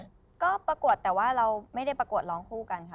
ก็ประกวดแต่ว่าเราไม่ได้ประกวดร้องคู่กันค่ะ